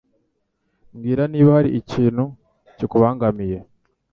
Mbwira niba hari ikintu kikubangamiye.